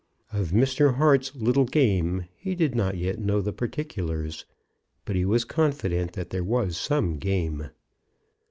Of Mr. Hart's "little game" he did not yet know the particulars; but he was confident that there was some game.